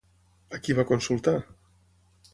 A qui va consultar?